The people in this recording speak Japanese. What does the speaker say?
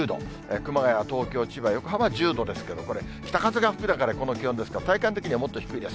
熊谷、東京、千葉、横浜は１０度ですけども、これ、北風が吹く中でこの気温ですから、体感的にはもっと低いです。